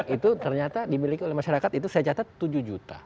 itu ternyata dimiliki oleh masyarakat itu saya catat tujuh juta